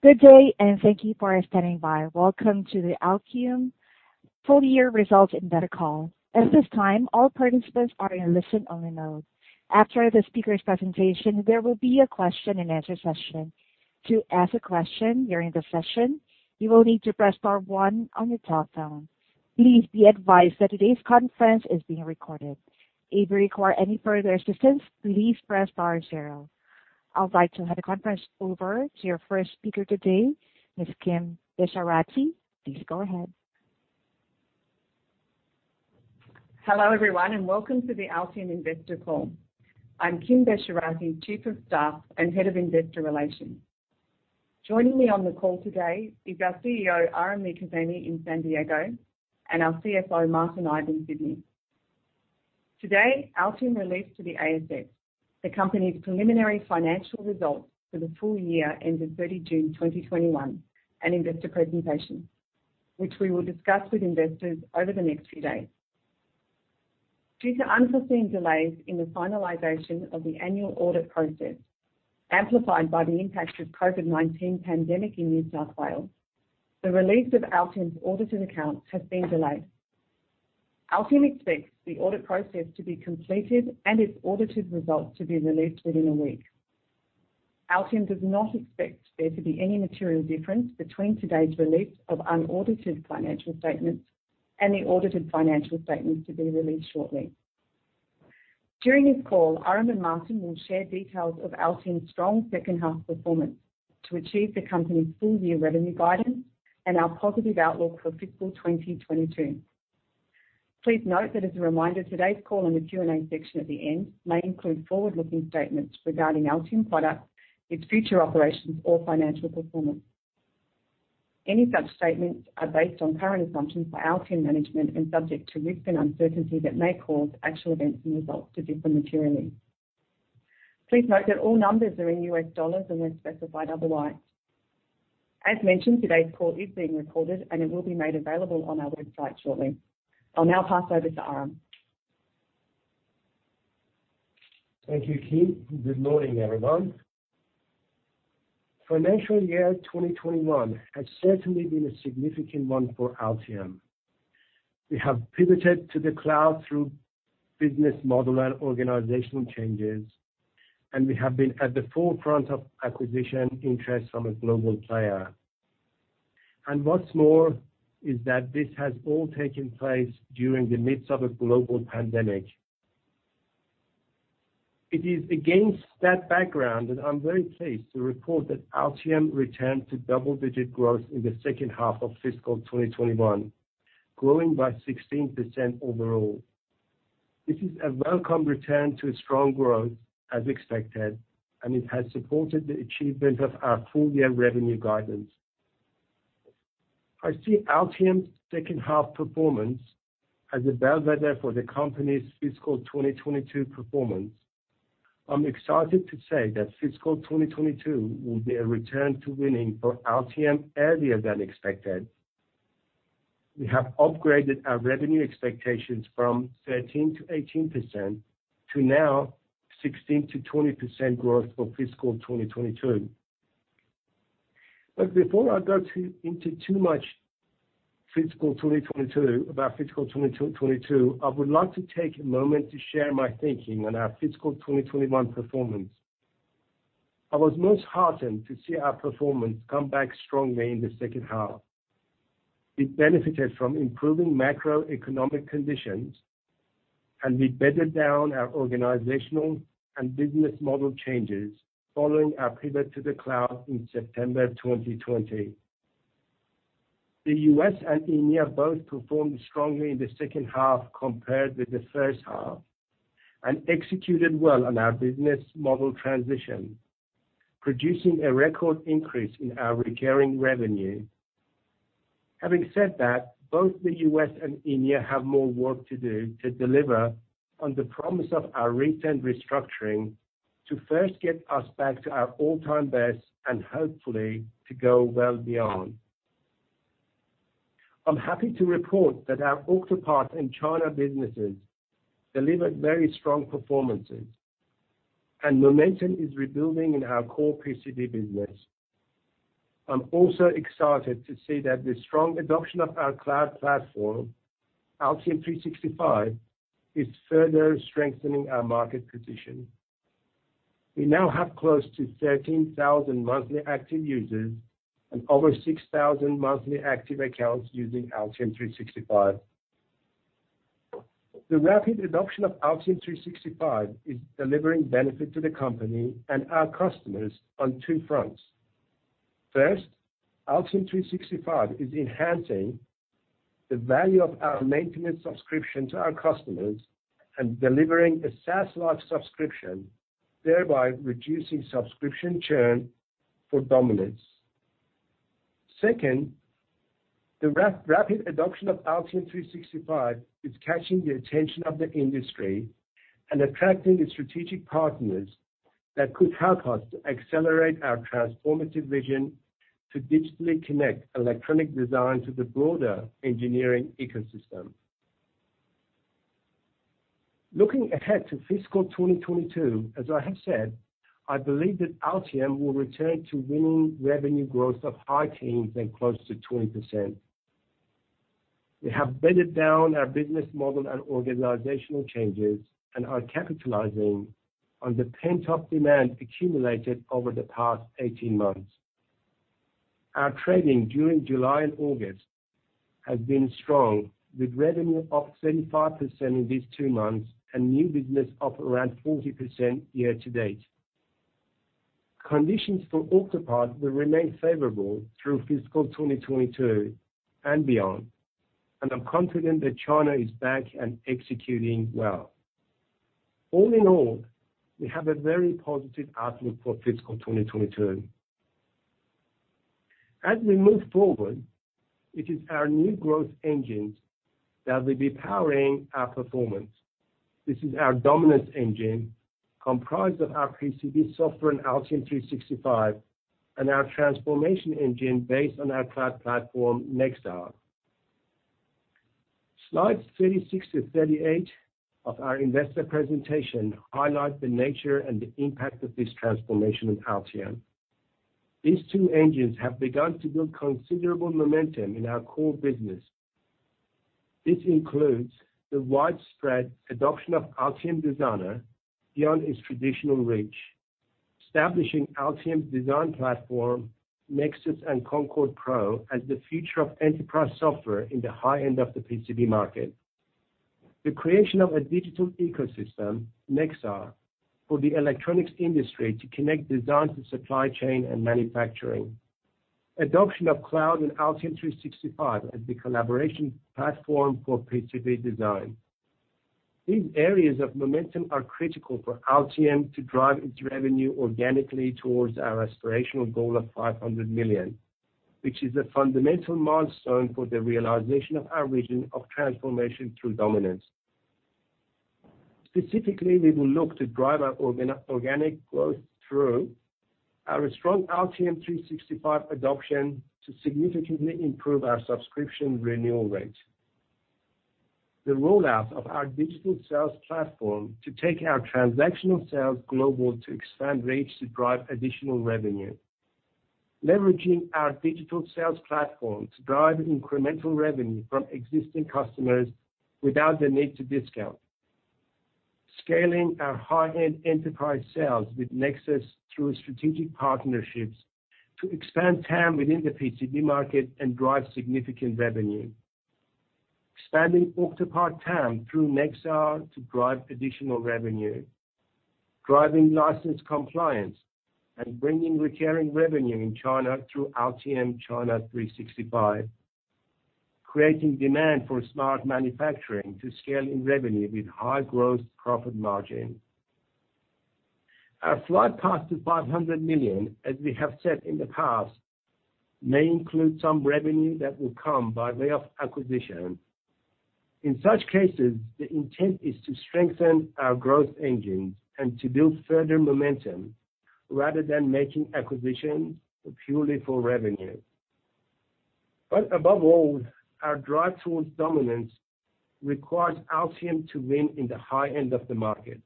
Good day, and thank you for standing by. Welcome to the Altium Full-Year Results Investor Call. At this time, all participants are in listen-only mode. After the speaker's presentation, there will be a question-and-answer session. To ask a question during the session, you will need to press star one on your telephone. Please be advised that today's conference is being recorded. If you require any further assistance, please press star zero. I'd like to hand the conference over to your first speaker today, Ms. Kim Besharati. Please go ahead. Hello, everyone, and welcome to the Altium investor call. I'm Kim Besharati, Chief of Staff and Head of Investor Relations. Joining me on the call today is our CEO, Aram Mirkazemi, in San Diego and our CFO, Martin Ive. Today, Altium released to the ASX, the company's preliminary financial results for the full-year ending 30 June 2021 and investor presentation, which we will discuss with investors over the next few days. Due to unforeseen delays in the finalization of the annual audit process, amplified by the impact of COVID-19 pandemic in New South Wales, the release of Altium's audited accounts has been delayed. Altium expects the audit process to be completed and its audited results to be released within a week. Altium does not expect there to be any material difference between today's release of unaudited financial statements and the audited financial statements to be released shortly. During this call, Aram and Martin will share details of Altium's strong second half performance to achieve the company's full-year revenue guidance and our positive outlook for fiscal 2022. Please note that as a reminder, today's call and the Q&A section at the end may include forward-looking statements regarding Altium products, its future operations or financial performance. Any such statements are based on current assumptions by Altium management and subject to risk and uncertainty that may cause actual events and results to differ materially. Please note that all numbers are in US dollars unless specified otherwise. As mentioned, today's call is being recorded, and it will be made available on our website shortly. I'll now pass over to Aram. Thank you, Kim. Good morning, everyone. Financial year 2021 has certainly been a significant one for Altium. We have pivoted to the cloud through business model and organizational changes, and we have been at the forefront of acquisition interest from a global player. What's more is that this has all taken place during the midst of a global pandemic. It is against that background that I'm very pleased to report that Altium returned to double-digit growth in the second half of fiscal 2021, growing by 16% overall. This is a welcome return to strong growth as expected, and it has supported the achievement of our full-year revenue guidance. I see Altium's second half performance as a bellwether for the company's fiscal 2022 performance. I'm excited to say that fiscal 2022 will be a return to winning for Altium earlier than expected. We have upgraded our revenue expectations from 13% to 18%, to now 16%-20% growth for fiscal 2022. Before I go into too much about fiscal 2022, I would like to take a moment to share my thinking on our fiscal 2021 performance. I was most heartened to see our performance come back strongly in the second half. We benefited from improving macroeconomic conditions, and we bedded down our organizational and business model changes following our pivot to the cloud in September 2020. The U.S. and EMEA both performed strongly in the second half compared with the first half and executed well on our business model transition, producing a record increase in our recurring revenue. Having said that, both the U.S. and EMEA have more work to do to deliver on the promise of our recent restructuring to first get us back to our all-time best and hopefully to go well beyond. I'm happy to report that our Octopart and China businesses delivered very strong performances, and momentum is rebuilding in our core PCB business. I'm also excited to see that the strong adoption of our cloud platform, Altium 365, is further strengthening our market position. We now have close to 13,000 monthly active users and over 6,000 monthly active accounts using Altium 365. The rapid adoption of Altium 365 is delivering benefit to the company and our customers on two fronts. First, Altium 365 is enhancing the value of our maintenance subscription to our customers and delivering a SaaS-like subscription, thereby reducing subscription churn for dominance. The rapid adoption of Altium 365 is catching the attention of the industry and attracting the strategic partners that could help us to accelerate our transformative vision to digitally connect electronic design to the broader engineering ecosystem. Looking ahead to fiscal 2022, as I have said, I believe that Altium will return to winning revenue growth of high teens and close to 20%. We have bedded down our business model and organizational changes and are capitalizing on the pent-up demand accumulated over the past 18 months. Our trading during July and August has been strong with revenue up 75% in these two months and new business up around 40% year-to-date. Conditions for Octopart will remain favorable through fiscal 2022 and beyond. I'm confident that China is back and executing well. All in all, we have a very positive outlook for fiscal 2022. As we move forward, it is our new growth engines that will be powering our performance. This is our dominance engine comprised of our PCB software and Altium 365, and our transformation engine based on our cloud platform, Nexar. Slides 36-38 of our investor presentation highlight the nature and the impact of this transformation on Altium. These two engines have begun to build considerable momentum in our core business. This includes the widespread adoption of Altium Designer beyond its traditional reach, establishing Altium design platform, NEXUS and Concord Pro as the future of enterprise software in the high end of the PCB market. The creation of a digital ecosystem, Nexar, for the electronics industry to connect design to supply chain and manufacturing. Adoption of cloud and Altium 365 as the collaboration platform for PCB design. These areas of momentum are critical for Altium to drive its revenue organically towards our aspirational goal of $500 million, which is a fundamental milestone for the realization of our vision of transformation through dominance. Specifically, we will look to drive our organic growth through our strong Altium 365 adoption to significantly improve our subscription renewal rate. The rollout of our digital sales platform to take our transactional sales global to expand reach to drive additional revenue. Leveraging our digital sales platform to drive incremental revenue from existing customers without the need to discount. Scaling our high-end enterprise sales with Nexus through strategic partnerships to expand TAM within the PCB market and drive significant revenue. Expanding Octopart TAM through Nexar to drive additional revenue. Driving license compliance and bringing recurring revenue in China through Altium China 365. Creating demand for smart manufacturing to scale in revenue with high growth profit margin. Our flight path to 500 million, as we have said in the past, may include some revenue that will come by way of acquisition. In such cases, the intent is to strengthen our growth engines and to build further momentum rather than making acquisitions purely for revenue. Above all, our drive towards dominance requires Altium to win in the high end of the market.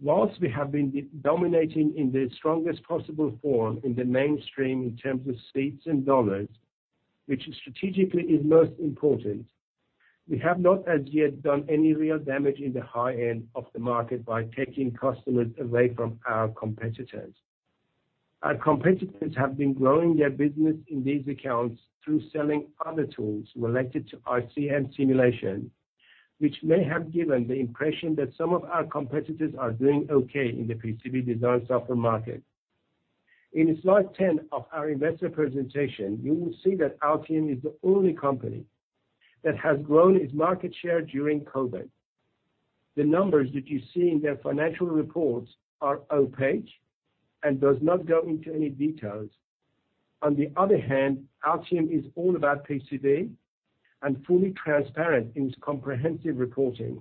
Whilst we have been dominating in the strongest possible form in the mainstream in terms of seats and Australian dollars, which strategically is most important, we have not as yet done any real damage in the high end of the market by taking customers away from our competitors. Our competitors have been growing their business in these accounts through selling other tools related to IC simulation, which may have given the impression that some of our competitors are doing okay in the PCB design software market. In slide 10 of our investor presentation, you will see that Altium is the only company that has grown its market share during COVID. The numbers that you see in their financial reports are opaque and does not go into any details. On the other hand, Altium is all about PCB and fully transparent in its comprehensive reporting.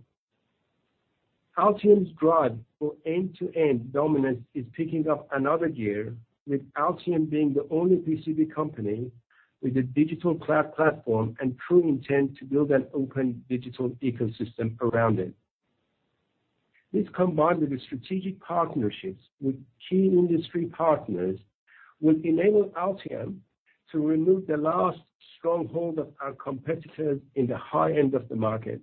Altium's drive for end-to-end dominance is picking up another gear, with Altium being the only PCB company with a digital cloud platform and true intent to build an open digital ecosystem around it. This, combined with strategic partnerships with key industry partners, will enable Altium to remove the last stronghold of our competitors in the high end of the market.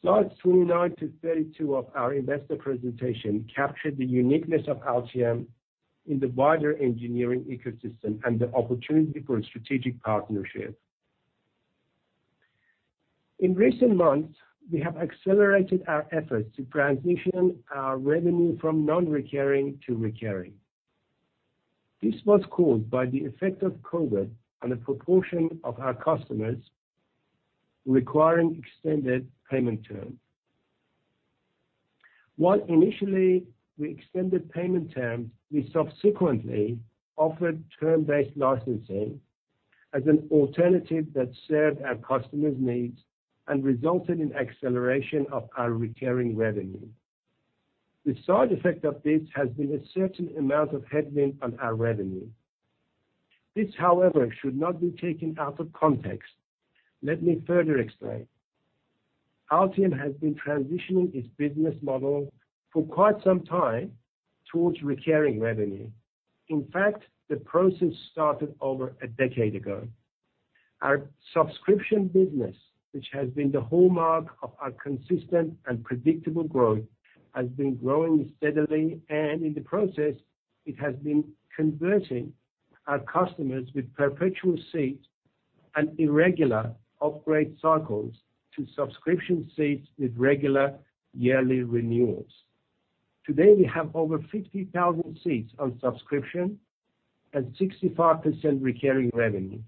Slides 29 to 32 of our investor presentation capture the uniqueness of Altium in the wider engineering ecosystem and the opportunity for strategic partnerships. In recent months, we have accelerated our efforts to transition our revenue from non-recurring to recurring. This was caused by the effect of COVID on a proportion of our customers requiring extended payment terms. While initially we extended payment terms, we subsequently offered term-based licensing as an alternative that served our customers' needs and resulted in acceleration of our recurring revenue. The side effect of this has been a certain amount of headwind on our revenue. This, however, should not be taken out of context. Let me further explain. Altium has been transitioning its business model for quite some time towards recurring revenue. In fact, the process started over a decade ago. Our subscription business, which has been the hallmark of our consistent and predictable growth, has been growing steadily, and in the process, it has been converting our customers with perpetual seats and irregular upgrade cycles to subscription seats with regular yearly renewals. Today, we have over 50,000 seats on subscription and 65% recurring revenue.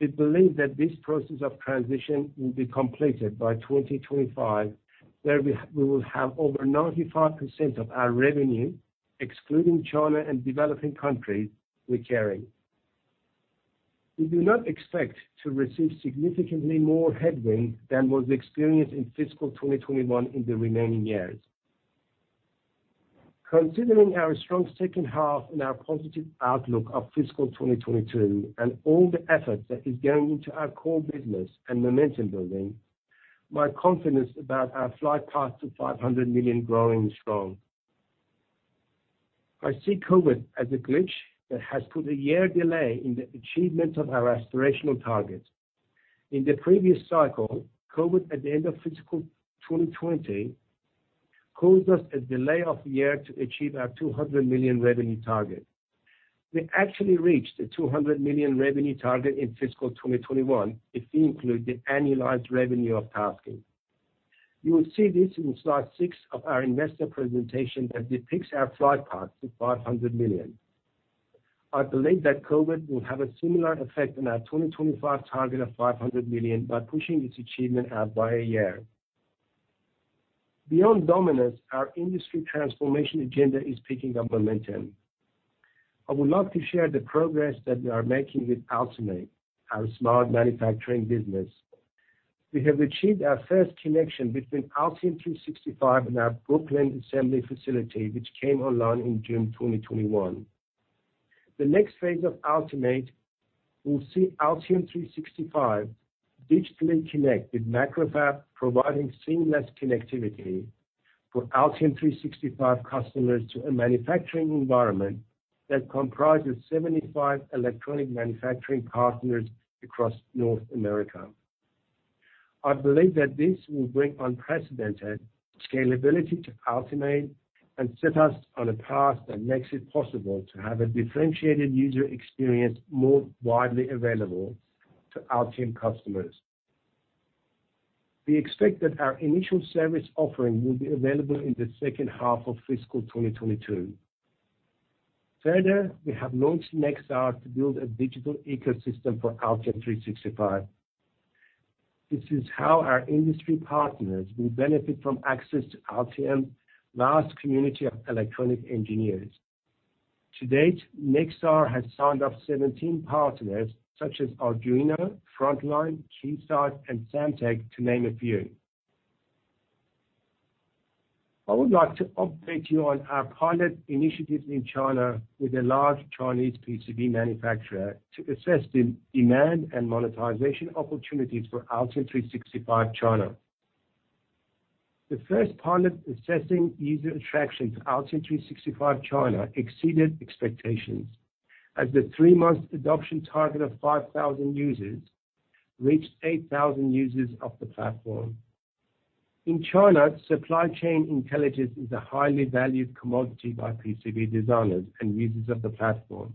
We believe that this process of transition will be completed by 2025, where we will have over 95% of our revenue, excluding China and developing countries, recurring. We do not expect to receive significantly more headwind than was experienced in fiscal 2021 in the remaining years. Considering our strong second half and our positive outlook of fiscal 2022, and all the effort that is going into our core business and momentum building, my confidence about our flight path to $500 million growing is strong. I see COVID as a glitch that has put a year delay in the achievement of our aspirational target. In the previous cycle, COVID at the end of fiscal 2020 caused us a delay of a year to achieve our $200 million revenue target. We actually reached the $200 million revenue target in fiscal 2021 if we include the annualized revenue of Tasking. You will see this in slide six of our investor presentation that depicts our flight path to $500 million. I believe that COVID will have a similar effect on our 2025 target of $500 million by pushing its achievement out by a year. Beyond dominance, our industry transformation agenda is picking up momentum. I would love to share the progress that we are making with Altimade, our smart manufacturing business. We have achieved our first connection between Altium 365 and our Brooklyn assembly facility, which came online in June 2021. The next phase of Altimade will see Altium 365 digitally connect with MacroFab, providing seamless connectivity for Altium 365 customers to a manufacturing environment that comprises 75 electronic manufacturing partners across North America. I believe that this will bring unprecedented scalability to Altimade and set us on a path that makes it possible to have a differentiated user experience more widely available to Altium customers. We expect that our initial service offering will be available in the second half of fiscal 2022. We have launched Nexar to build a digital ecosystem for Altium 365. This is how our industry partners will benefit from access to Altium's vast community of electronic engineers. To date, Nexar has signed up 17 partners such as Arduino, Frontline, Keysight, and Samtec, to name a few. I would like to update you on our pilot initiatives in China with a large Chinese PCB manufacturer to assess the demand and monetization opportunities for Altium 365 China. The first pilot assessing user attraction to Altium 365 China exceeded expectations, as the three-month adoption target of 5,000 users reached 8,000 users of the platform. In China, supply chain intelligence is a highly valued commodity by PCB designers and users of the platform.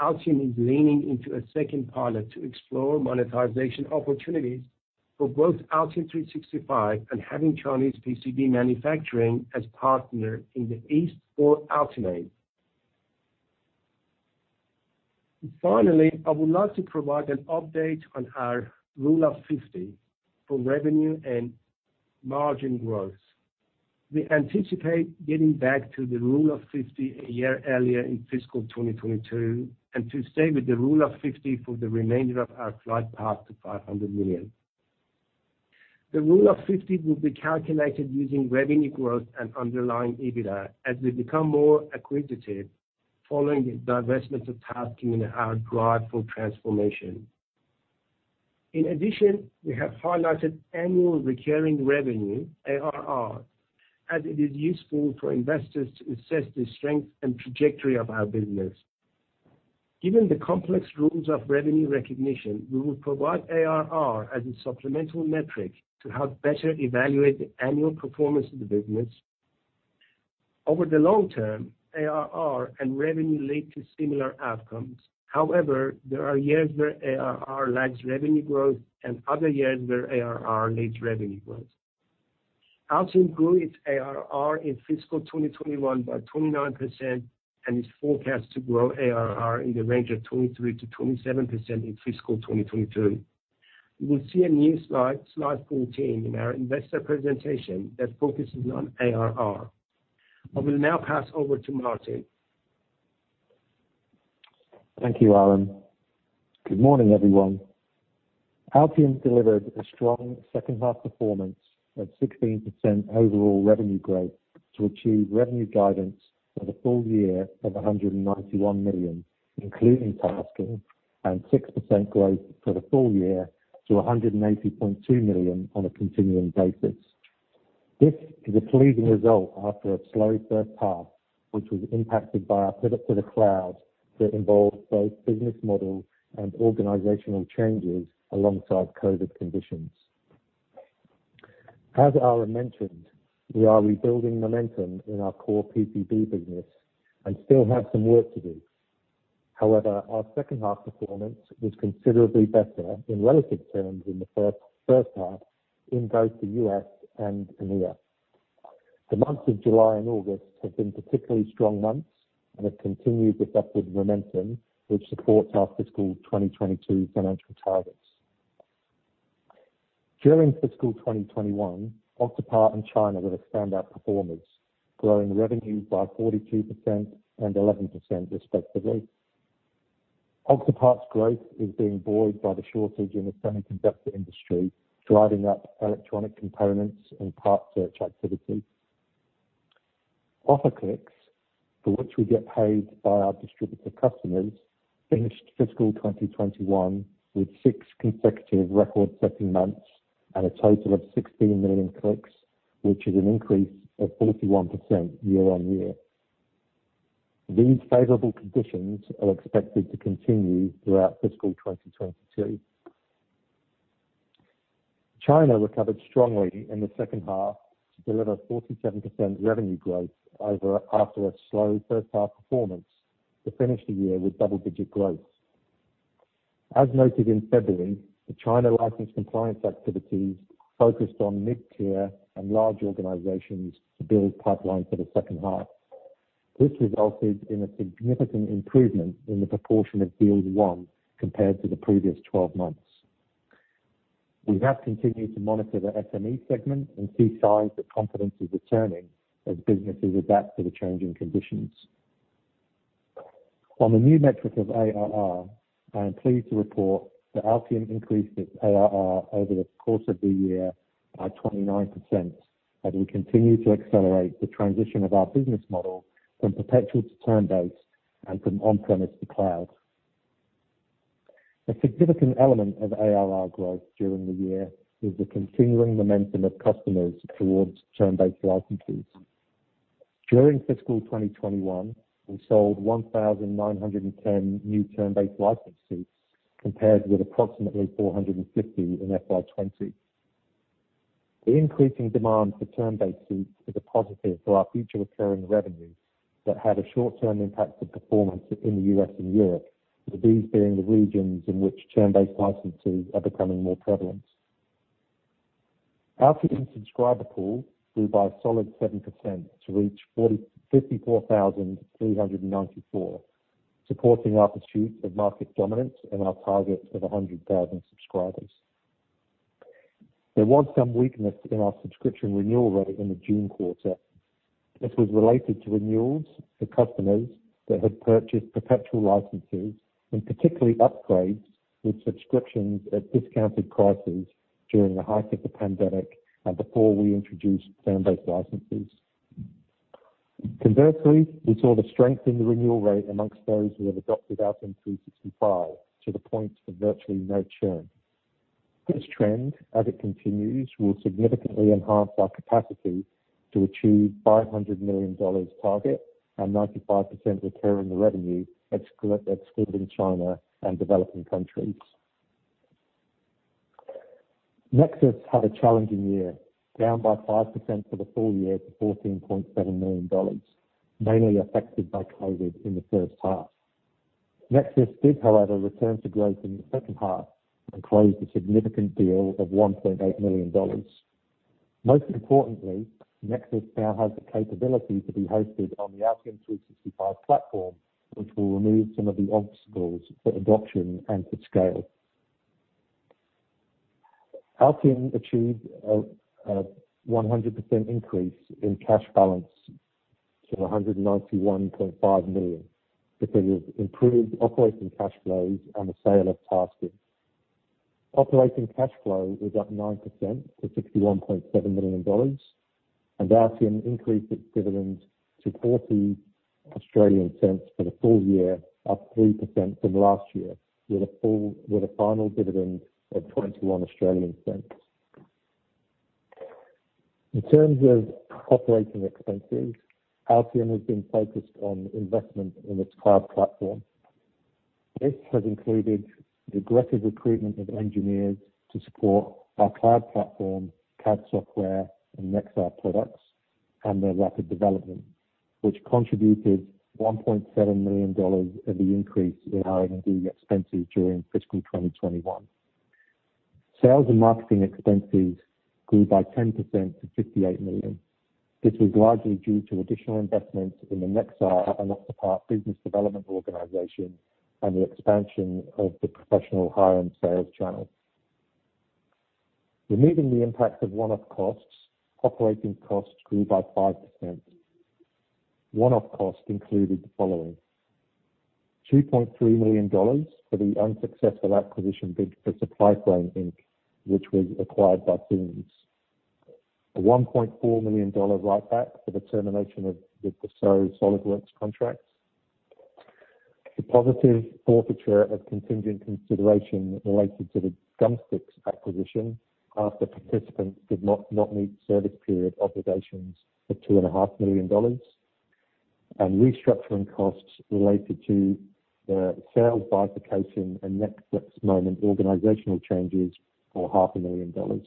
Altium is leaning into a second pilot to explore monetization opportunities for both Altium 365 and having Chinese PCB manufacturing as partner in the East for Altimade. Finally, I would like to provide an update on our rule of 50 for revenue and margin growth. We anticipate getting back to the rule of 50 a year earlier in fiscal 2022, and to stay with the rule of 50 for the remainder of our flight path to $500 million. The rule of 50 will be calculated using revenue growth and underlying EBITDA as we become more acquisitive following the divestment of Tasking in our drive for transformation. We have highlighted annual recurring revenue, ARR, as it is useful for investors to assess the strength and trajectory of our business. Given the complex rules of revenue recognition, we will provide ARR as a supplemental metric to help better evaluate the annual performance of the business. Over the long term, ARR and revenue lead to similar outcomes. However, there are years where ARR lags revenue growth and other years where ARR leads revenue growth. Altium grew its ARR in fiscal 2021 by 29% and is forecast to grow ARR in the range of 23%-27% in fiscal 2023. You will see a new slide 14, in our investor presentation that focuses on ARR. I will now pass over to Martin. Thank you, Aram. Good morning, everyone. Altium delivered a strong second half performance of 16% overall revenue growth to achieve revenue guidance for the full-year of $191 million, including Tasking and 6% growth for the full-year to $180.2 million on a continuing basis. This is a pleasing result after a slow first half, which was impacted by our pivot to the cloud that involved both business model and organizational changes alongside COVID-19 conditions. As Aram mentioned, we are rebuilding momentum in our core PCB business and still have some work to do. However, our second half performance was considerably better in relative terms in the first half in both the U.S. and EMEA. The months of July and August have been particularly strong months and have continued this upward momentum, which supports our fiscal 2022 financial targets. During FY 2021, Octopart and China were standout performers, growing revenues by 42% and 11%, respectively. Octopart's growth is being buoyed by the shortage in the semiconductor industry, driving up electronic components and part search activity. Offer Clicks, for which we get paid by our distributor customers, finished FY 2021 with six consecutive record-setting months and a total of 16 million clicks, which is an increase of 41% year-over-year. These favorable conditions are expected to continue throughout FY 2022. China recovered strongly in the second half to deliver 47% revenue growth after a slow first half performance to finish the year with double-digit growth. As noted in February, the China license compliance activities focused on mid-tier and large organizations to build pipeline for the second half. This resulted in a significant improvement in the proportion of deals won compared to the previous 12 months. We have continued to monitor the SME segment and see signs that confidence is returning as businesses adapt to the changing conditions. On the new metric of ARR, I am pleased to report that Altium increased its ARR over the course of the year by 29% as we continue to accelerate the transition of our business model from perpetual to term-based and from on-premise to cloud. A significant element of ARR growth during the year is the continuing momentum of customers towards term-based license fees. During fiscal 2021, we sold 1,910 new term-based license seats, compared with approximately 450 in FY 2020. The increasing demand for term-based seats is a positive for our future recurring revenues that had a short-term impact to performance in the U.S. and Europe, with these being the regions in which term-based license seats are becoming more prevalent. Altium subscriber pool grew by a solid 7% to reach 54,394, supporting our pursuit of market dominance and our target of 100,000 subscribers. There was some weakness in our subscription renewal rate in the June quarter. This was related to renewals for customers that had purchased perpetual licenses, particularly upgrades with subscriptions at discounted prices during the height of the pandemic and before we introduced term-based licenses. Conversely, we saw the strength in the renewal rate amongst those who have adopted Altium 365 to the point of virtually no churn. This trend, as it continues, will significantly enhance our capacity to achieve $500 million target and 95% recurring revenue, excluding China and developing countries. Nexus had a challenging year, down by 5% for the full-year to $14.7 million, mainly affected by COVID in the first half. Nexus did, however, return to growth in the second half and closed a significant deal of 1.8 million dollars. Most importantly, Nexus now has the capability to be hosted on the Altium 365 platform, which will remove some of the obstacles for adoption and for scale. Altium achieved a 100% increase in cash balance to 191.5 million because of improved operating cash flows and the sale of Tasking. Operating cash flow was up 9% to 61.7 million dollars. Altium increased its dividend to 0.40 for the full-year, up 3% from last year, with a final dividend of 0.21. In terms of operating expenses, Altium has been focused on investment in its cloud platform. This has included the aggressive recruitment of engineers to support our cloud platform, CAD software, and Nexar products and their rapid development, which contributed 1.7 million dollars of the increase in R&D expenses during fiscal 2021. Sales and marketing expenses grew by 10% to 58 million. This was largely due to additional investments in the Nexar and Octopart business development organization and the expansion of the professional hire and sales channel. Removing the impact of one-off costs, operating costs grew by 5%. One-off costs included the following: 2.3 million dollars for the unsuccessful acquisition bid for Supplyframe Inc., which was acquired by Siemens. A 1.4 million dollars write-back for the termination of the SOLIDWORKS contracts. The positive forfeiture of contingent consideration related to the Gumstix acquisition after participants did not meet service period obligations for 2.5 million dollars. Restructuring costs related to the sales bifurcation and Netflix moment organizational changes for 0.5 million dollars.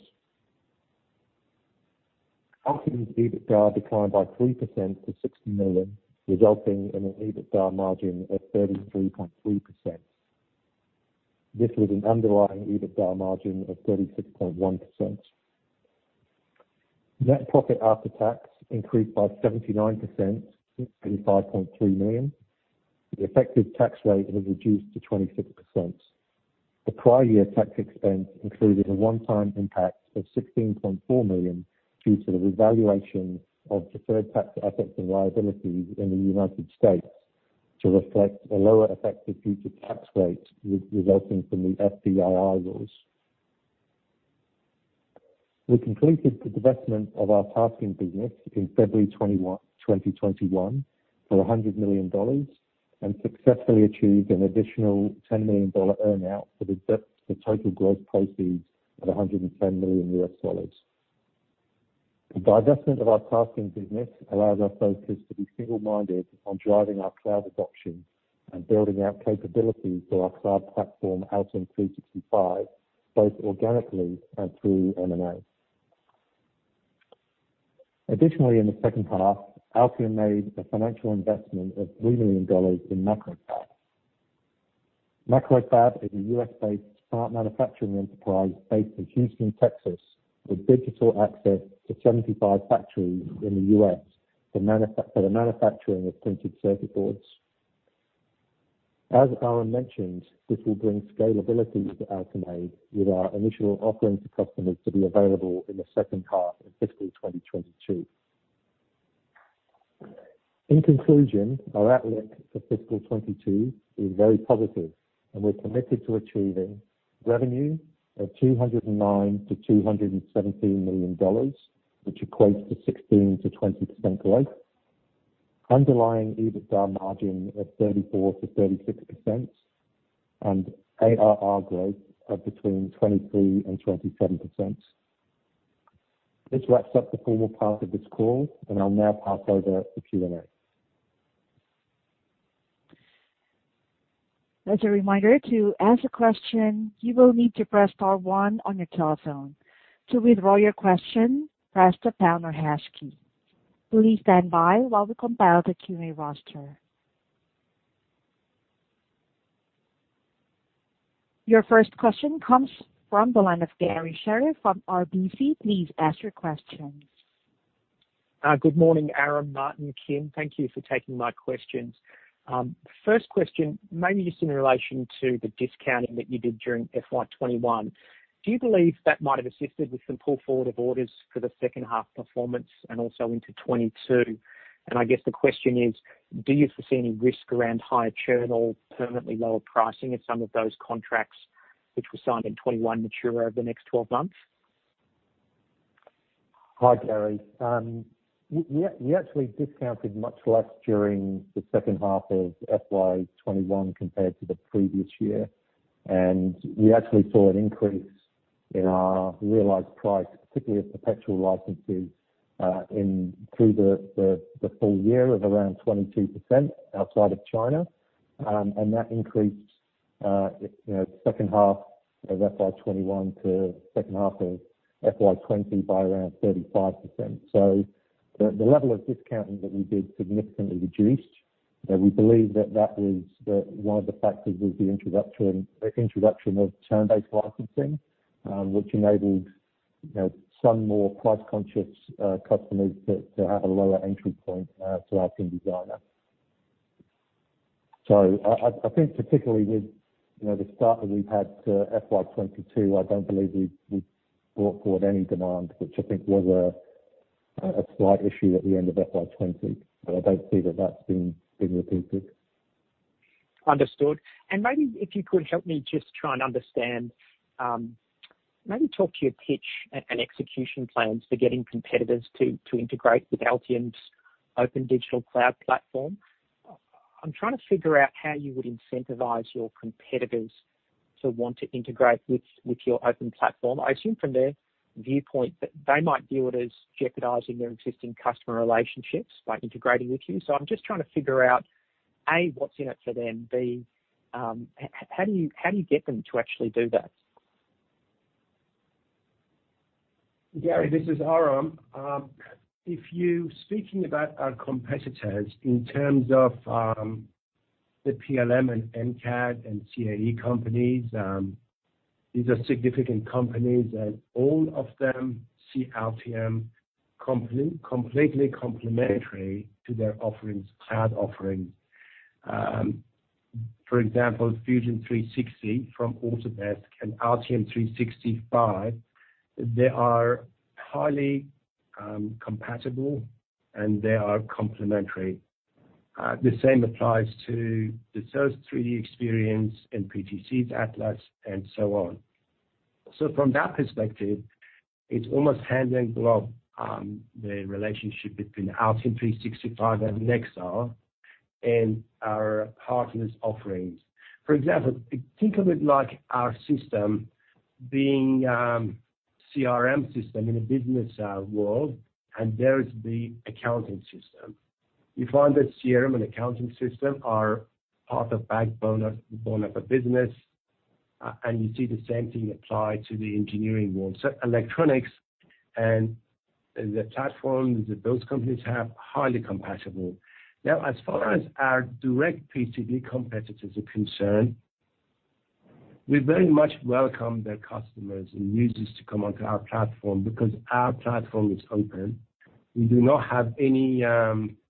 Altium's EBITDA declined by 3% to $60 million, resulting in an EBITDA margin of 33.3%. This was an underlying EBITDA margin of 36.1%. Net profit after tax increased by 79% to $35.3 million. The effective tax rate has reduced to 26%. The prior year tax expense included a one-time impact of $16.4 million due to the revaluation of deferred tax assets and liabilities in the United States to reflect a lower effective future tax rate resulting from the FDII rules. We completed the divestment of our Tasking business in February 2021 for $100 million and successfully achieved an additional $10 million earn-out for the total gross proceeds of $110 million. The divestment of our Tasking business allows our focus to be single-minded on driving our cloud adoption and building out capabilities for our cloud platform, Altium 365, both organically and through M&A. Additionally, in the second half, Altium made a financial investment of $3 million in MacroFab. MacroFab is a U.S.-based smart manufacturing enterprise based in Houston, Texas, with digital access to 75 factories in the U.S. for the manufacturing of printed circuit boards. As Aram mentioned, this will bring scalability to Altium with our initial offering to customers to be available in the second half of fiscal 2022. In conclusion, our outlook for fiscal 2022 is very positive, and we're committed to achieving revenue of $209 million to $217 million, which equates to 16%-20% growth. Underlying EBITDA margin of 34%-36% and ARR growth of between 23% and 27%. This wraps up the formal part of this call, and I'll now pass over to Q&A. As a reminder, to ask a question, you will need to press star one on your telephone. To withdraw your question, press the pound or hash key. Please stand by while we compile the Q&A roster. Your first question comes from the line of Garry Sherriff from RBC. Please ask your question. Good morning, Aram, Martin, Kim. Thank you for taking my questions. First question, mainly just in relation to the discounting that you did during FY 2021. Do you believe that might have assisted with some pull forward of orders for the second half performance and also into 2022? I guess the question is: Do you foresee any risk around higher churn or permanently lower pricing of some of those contracts which were signed in 2021 mature over the next 12 months? Hi, Garry. We actually discounted much less during the second half of FY 2021 compared to the previous year. We actually saw an increase in our realized price, particularly with perpetual licenses, through the full-year of around 22% outside of China. That increased second half of FY 2021 to second half of FY 2020 by around 35%. The level of discounting that we did significantly reduced. We believe that one of the factors was the introduction of term-based licensing, which enabled some more price-conscious customers to have a lower entry point to Altium Designer. I think particularly with the start that we've had to FY 2022, I don't believe we brought forward any demand, which I think was a slight issue at the end of FY 2020. I don't see that that's been repeated. Understood. Maybe if you could help me just try and understand. Maybe talk to your pitch and execution plans for getting competitors to integrate with Altium's open digital cloud platform. I'm trying to figure out how you would incentivize your competitors to want to integrate with your open platform. I assume from their viewpoint that they might view it as jeopardizing their existing customer relationships by integrating with you. I'm just trying to figure out, A, what's in it for them? B, how do you get them to actually do that? Garry, this is Aram. If you speaking about our competitors in terms of the PLM and MCAD and CAE companies, these are significant companies, and all of them see Altium completely complementary to their offerings, cloud offerings. For example, Fusion 360 from Autodesk and Altium 365, they are highly compatible, and they are complementary. The same applies to Dassault's 3DEXPERIENCE and PTC's Atlas and so on. From that perspective, it's almost hand in glove, the relationship between Altium 365 and Nexar and our partners' offerings. For example, think of it like our system being CRM system in a business world, and there is the accounting system. You find that CRM and accounting system are part of backbone of a business, and you see the same thing applied to the engineering world. Electronics and the platforms that those companies have, highly compatible. As far as our direct PCB competitors are concerned, we very much welcome their customers and users to come onto our platform because our platform is open. We do not have any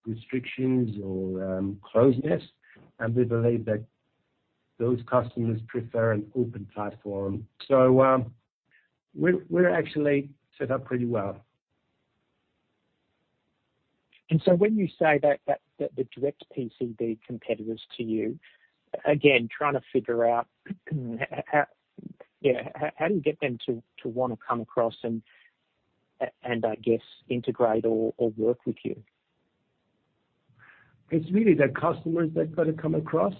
restrictions or closeness, and we believe that those customers prefer an open platform. We're actually set up pretty well. When you say that the direct PCB competitors to you, again, trying to figure out how do you get them to want to come across and, I guess, integrate or work with you? It's really their customers that got to come across.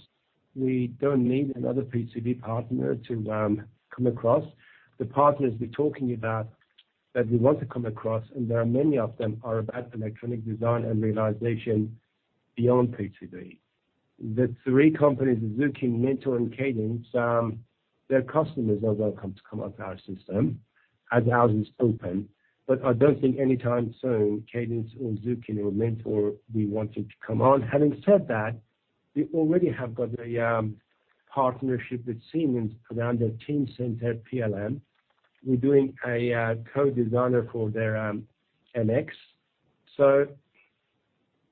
We don't need another PCB partner to come across. The partners we're talking about that we want to come across, and there are many of them, are about electronic design and realization beyond PCB. The three companies, Zuken, Mentor, and Cadence, their customers are welcome to come onto our system as ours is open. I don't think anytime soon, Cadence or Zuken or Mentor will be wanting to come on. Having said that, we already have got a partnership with Siemens around their Teamcenter PLM. We're doing a CoDesigner for their NX.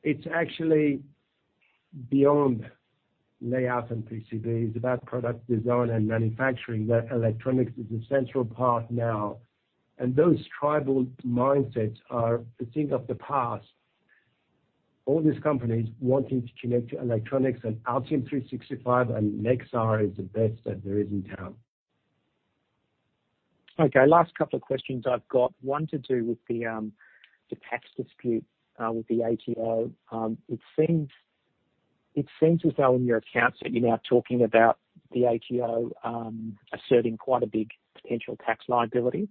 It's actually beyond layout and PCB. It's about product design and manufacturing, that electronics is a central part now. Those tribal mindsets are a thing of the past. All these companies wanting to connect to electronics and Altium 365 and Nexar is the best that there is in town. Okay, last couple of questions I've got. One to do with the tax dispute with the ATO. It seems as though in your accounts that you're now talking about the ATO asserting quite a big potential tax liability.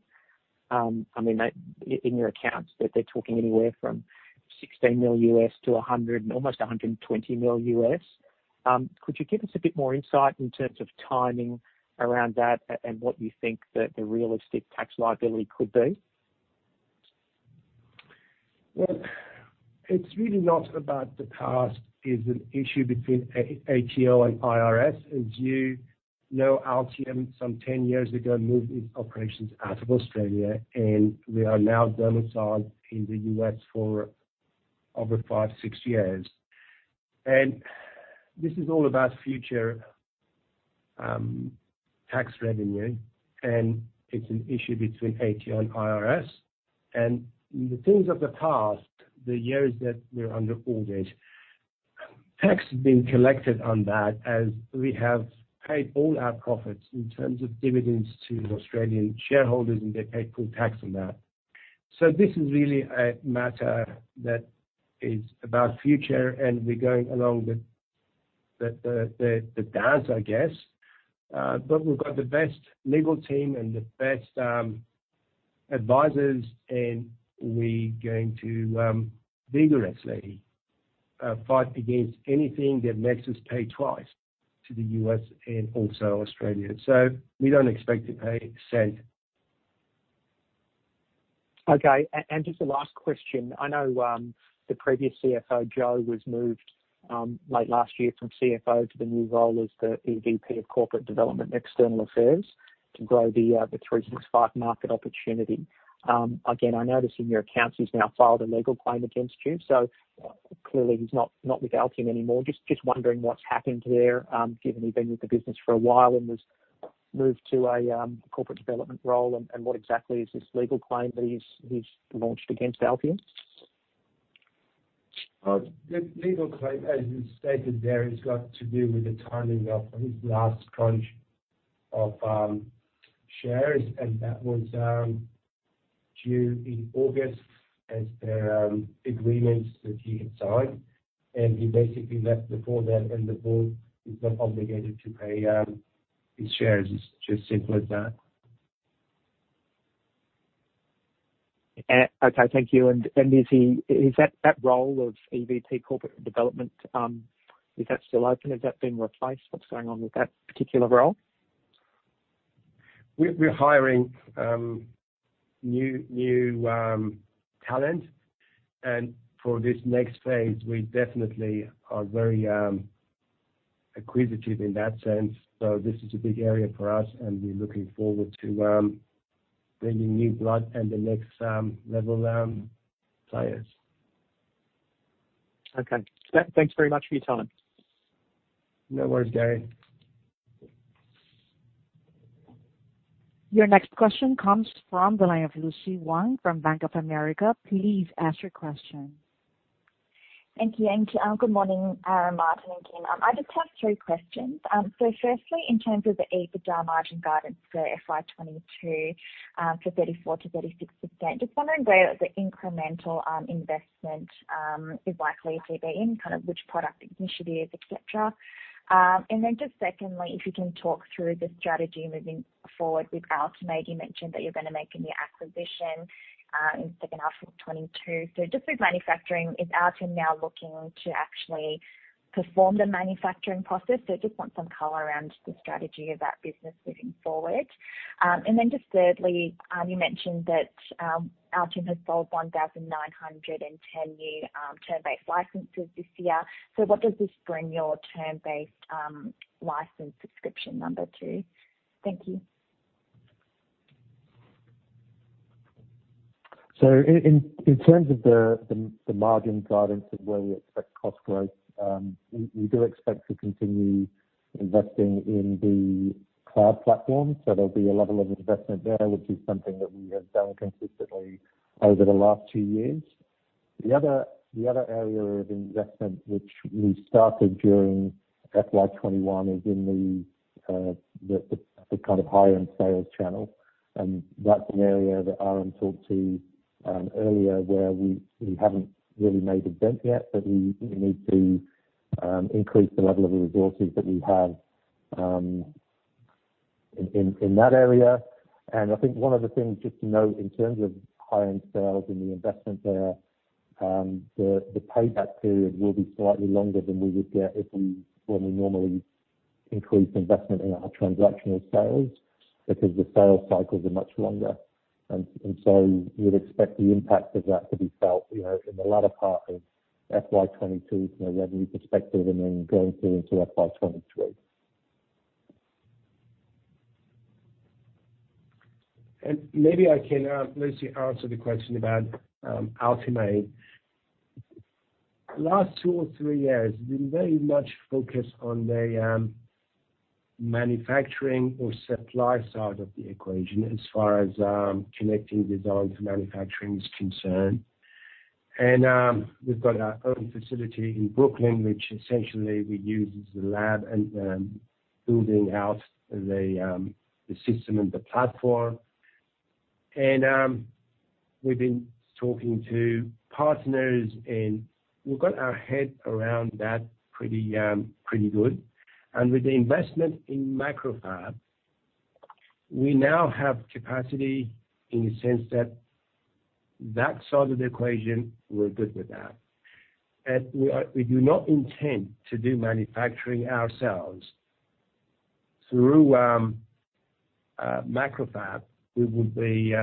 In your accounts, that they're talking anywhere from $16 million to almost $120 million. Could you give us a bit more insight in terms of timing around that and what you think the realistic tax liability could be? Look, it's really not about the past. It's an issue between ATO and IRS. As you know, Altium, some 10 years ago, moved its operations out of Australia, and we are now domiciled in the U.S. for over five, six years. This is all about future tax revenue, and it's an issue between ATO and IRS. The things of the past, the years that we're under audit, tax has been collected on that as we have paid all our profits in terms of dividends to the Australian shareholders, and they paid full tax on that. This is really a matter that is about future, and we're going along with the dance, I guess. We've got the best legal team and the best advisors, and we're going to vigorously fight against anything that makes us pay twice to the U.S. and also Australia. We don't expect to pay AUD 0.01. Okay. Just the last question. I know, the previous CFO, Joe, was moved late last year from CFO to the new role as the EVP of Corporate Development and External Affairs to grow the 365 market opportunity. I notice in your accounts, he's now filed a legal claim against you, so clearly he's not with Altium anymore. Just wondering what's happened there, given he'd been with the business for a while and was moved to a corporate development role, and what exactly is this legal claim that he's launched against Altium? The legal claim, as you stated there, has got to do with the timing of his last tranche of shares, and that was due in August as per agreements that he had signed. He basically left before that, and the board is not obligated to pay his shares. It's just simple as that. Okay. Thank you. Is that role of EVP corporate development, is that still open? Has that been replaced? What's going on with that particular role? We're hiring new talent. For this next phase, we definitely are very acquisitive in that sense. This is a big area for us, and we're looking forward to bringing new blood and the next level players. Okay. Thanks very much for your time. No worries, Garry. Your next question comes from the line of Lucy Huang from Bank of America. Please ask your question. Thank you. Good morning, Aram, Martin, and team. I just have three questions. Firstly, in terms of the EBITDA margin guidance for FY 2022, for 34%-36%, just wondering where the incremental investment is likely to be in, which product initiatives, et cetera. Secondly, if you can talk through the strategy moving forward with Altium. You mentioned that you're going to make a new acquisition in second half of 2022. Just with manufacturing, is Altium now looking to actually perform the manufacturing process? Just want some color around the strategy of that business moving forward. Thirdly, you mentioned that Altium has sold 1,910 new term-based licenses this year. What does this bring your term-based license subscription number to? Thank you. In terms of the margin guidance and where we expect cost growth, we do expect to continue investing in the cloud platform. There'll be a level of investment there, which is something that we have done consistently over the last two years. The other area of investment, which we started during FY 2021, is in the kind of higher-end sales channel. That's an area that Aram talked to earlier where we haven't really made a dent yet, but we need to increase the level of the resources that we have in that area. I think one of the things just to note in terms of high-end sales and the investment there, the payback period will be slightly longer than we would get when we normally increase investment in our transactional sales, because the sales cycles are much longer. You would expect the impact of that to be felt in the latter part of FY 2022 from a revenue perspective and then going through into FY 2023. Maybe I can, Lucy, answer the question about Altium. Last two or three years, we've been very much focused on the manufacturing or supply side of the equation as far as connecting design to manufacturing is concerned. We've got our own facility in Brooklyn, which essentially we use as the lab and building out the system and the platform. We've been talking to partners, and we've got our head around that pretty good. With the investment in MacroFab, we now have capacity in the sense that that side of the equation, we're good with that. We do not intend to do manufacturing ourselves. Through MacroFab, we would be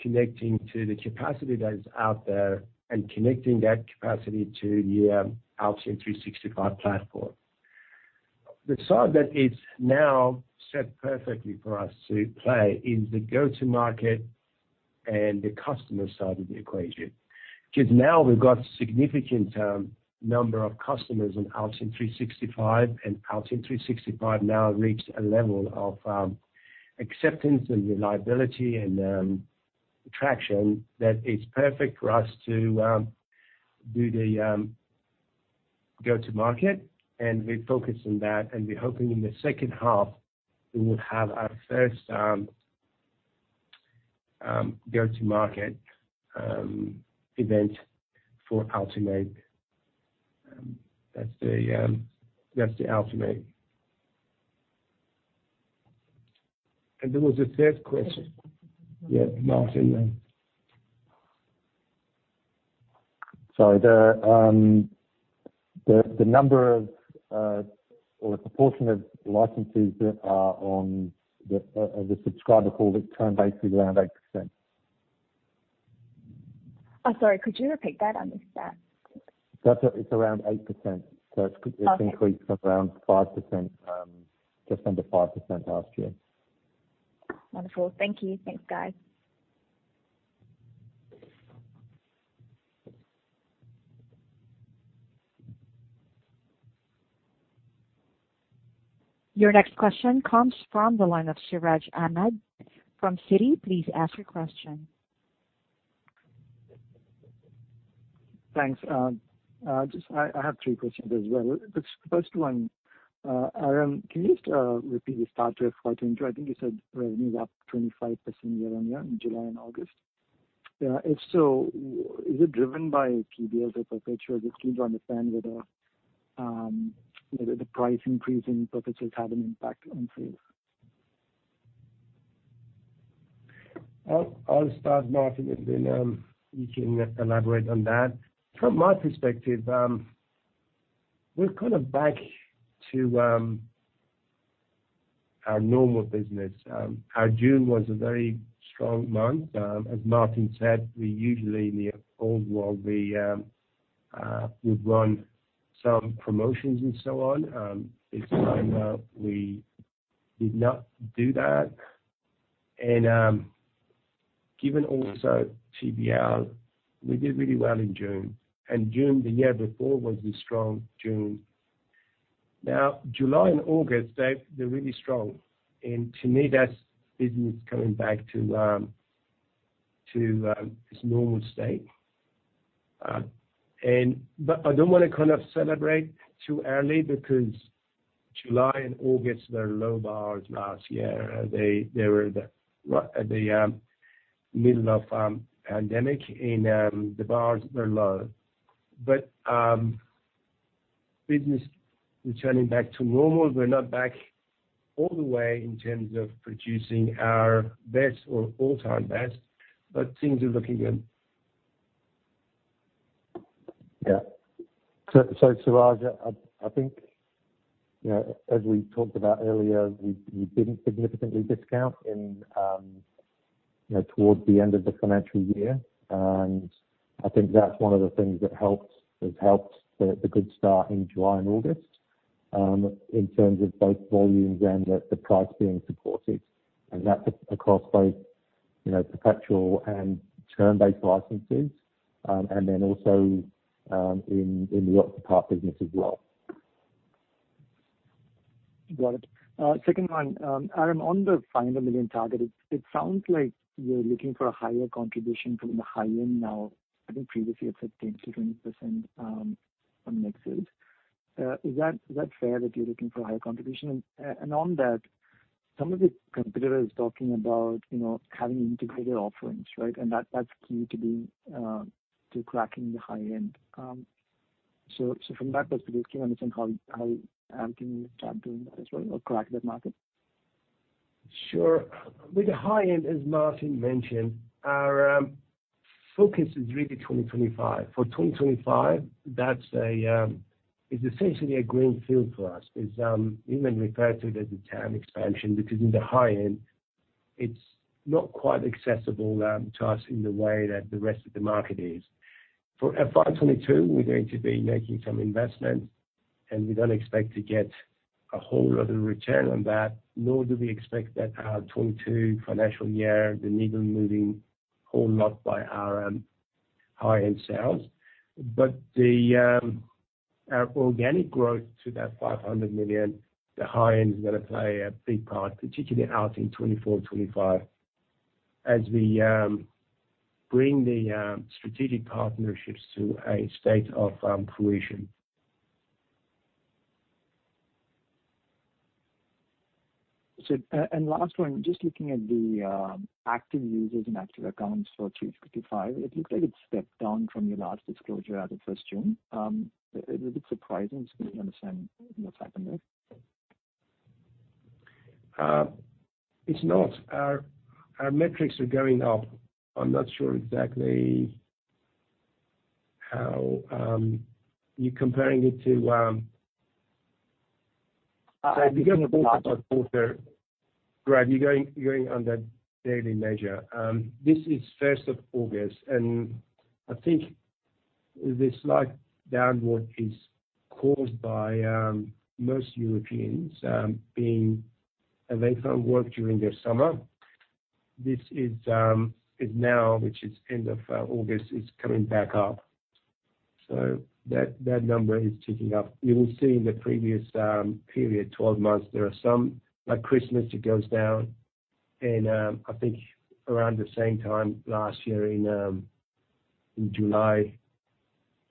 connecting to the capacity that is out there and connecting that capacity to the Altium 365 platform. The side that is now set perfectly for us to play is the go-to-market and the customer side of the equation. Now we've got significant number of customers on Altium 365, and Altium 365 now reached a level of acceptance and reliability and traction that is perfect for us to do the go-to-market. We're focused on that, and we're hoping in the second half, we would have our first go-to-market event for Altimade. That's the Altimade. There was a third question. Yeah, Martin, yeah. Sorry, the number of, or the proportion of licenses that are on the subscriber for the term base is around 8%. I'm sorry, could you repeat that? I missed that. It's around 8%. Okay. It's increased from around 5%, just under 5% last year. Wonderful. Thank you. Thanks, guys. Your next question comes from the line of Siraj Ahmed from Citi. Please ask your question. Thanks. I have three questions as well. The first one, Aram, can you just repeat the start to FY 2022? I think you said revenue is up 25% year-over-year in July and August. If so, is it driven by TBLs or perpetuals? Just keen to understand whether the price increase in perpetuals had an impact on sales. I'll start, Martin, and then you can elaborate on that. From my perspective, we're kind of back to our normal business. Our June was a very strong month. As Martin said, we usually in the April while we would run some promotions and so on. This time we did not do that. Given also TBL, we did really well in June. June the year before was a strong June. Now July and August, they're really strong. To me, that's business coming back to its normal state. I don't want to celebrate too early because July and August were low bars last year. They were at the middle of pandemic, and the bars were low. Business returning back to normal. We're not back all the way in terms of producing our best or all-time best, but things are looking good. Yeah. Siraj, I think, as we talked about earlier, we didn't significantly discount towards the end of the financial year. I think that's one of the things that has helped the good start in July and August, in terms of both volumes and the price being supported. That's across both perpetual and term-based licenses. Then also in the Octopart business as well. Got it. Second one. Aram, on the $500 million target, it sounds like you're looking for a higher contribution from the high end now. I think previously you had said 10%-20% on net sales. Is that fair that you're looking for higher contribution? On that, some of the competitors talking about having integrated offerings, right? That's key to cracking the high end. From that perspective, can we understand how you can start doing that as well or crack that market? Sure. With the high end, as Martin mentioned, our focus is really 2025. For 2025, that is essentially a greenfield to us. It's even referred to as a TAM expansion, because in the high end, it's not quite accessible to us in the way that the rest of the market is. For FY 2022, we're going to be making some investments, we don't expect to get a whole lot of return on that, nor do we expect that our 2022 financial year, the needle moving whole lot by our high-end sales. Our organic growth to that $500 million, the high end is going to play a big part, particularly out in 2024, 2025 as we bring the strategic partnerships to a state of fruition. Last one, just looking at the active users and active accounts for 365, it looks like it's stepped down from your last disclosure as of 1st June. A little bit surprising, just want to understand what's happened there? It's not. Our metrics are going up. I'm not sure exactly how you're comparing it to. I think If you look at quarter, Siraj, you're going on that daily measure. This is 1st of August, I think the slight downward is caused by most Europeans being away from work during their summer. This is now, which is end of August, it's coming back up. That number is ticking up. You will see in the previous period, 12 months, there are some, like Christmas, it goes down. I think around the same time last year in July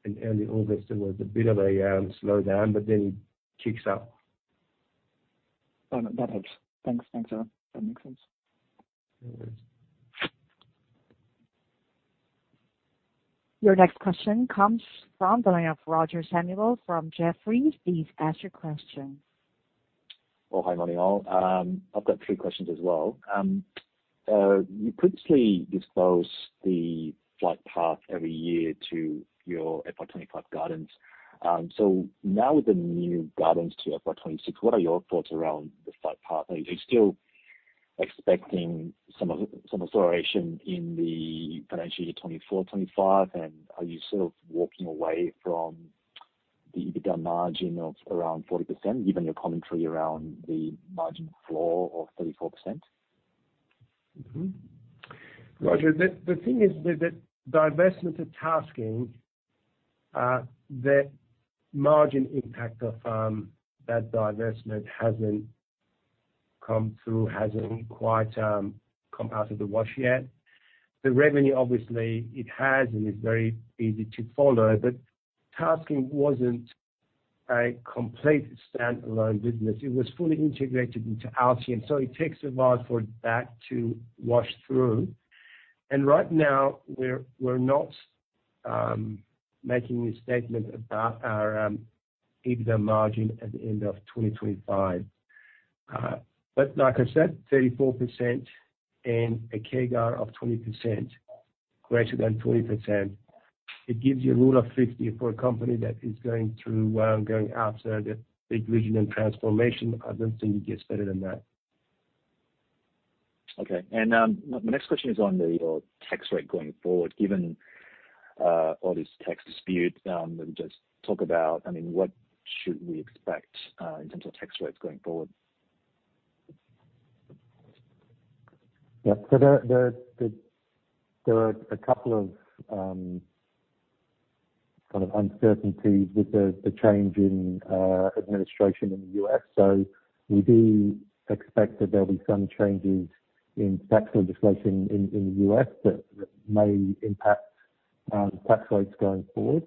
and early August, there was a bit of a slowdown, but then it ticks up. That helps. Thanks Aram. That makes sense. No worries. Your next question comes from the line of Roger Samuel from Jefferies. Please ask your question. Well, hi, morning all. I've got three questions as well. You previously disclosed the flight path every year to your FY 2025 guidance. Now with the new guidance to FY 2026, what are your thoughts around the flight path? Are you still expecting some acceleration in the financial year 2024, 2025? Are you sort of walking away from the EBITDA margin of around 40%, given your commentary around the margin floor of 34%? Roger, the thing is with the divestment of Tasking, the margin impact of that divestment hasn't come through, hasn't quite come out of the wash yet. The revenue, obviously it has, and it's very easy to follow. Tasking wasn't a complete standalone business. It was fully integrated into Altium. It takes a while for that to wash through. Right now, we're not making a statement about our EBITDA margin at the end of 2025. Like I said, 34% and a CAGR of 20%, greater than 20%. It gives you a rule of 50 for a company that is going after the big vision and transformation. I don't think it gets better than that. Okay. My next question is on your tax rate going forward, given all these tax disputes that we just talk about, what should we expect in terms of tax rates going forward? Yeah. There are a couple of uncertainties with the change in administration in the U.S. We do expect that there'll be some changes in tax legislation in the U.S. that may impact tax rates going forward.